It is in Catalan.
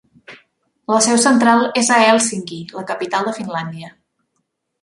La seu central és a Hèlsinki, la capital de Finlàndia.